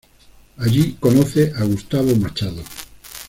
Allí conoce a Gustavo Machado.